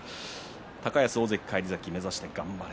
高安、大関返り咲きを目指して頑張れ！